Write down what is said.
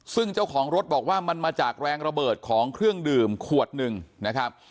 ซึ่งเจ้าของรถบอกว่ามันมาจากแรงระเบิดของเครื่องดื่มขวดหนึ่งนะครับ